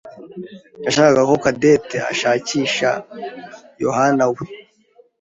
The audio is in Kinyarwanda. yashakaga ko Cadette ashakisha Yohanawe.